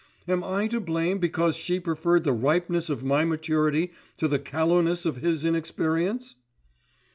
Am I to blame because she preferred the ripeness of my maturity to the callowness of his inexperience?"